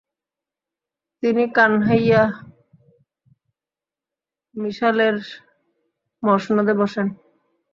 তিনি কানহাইয়া মিসালের মসনদে বসেন।